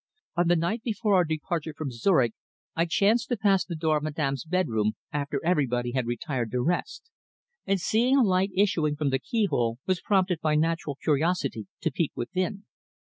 "On the night before our departure from Zurich I chanced to pass the door of Madame's bedroom after everybody had retired to rest, and seeing a light issuing from the keyhole was prompted by natural curiosity to peep within.